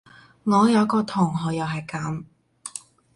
我有個同學又係噉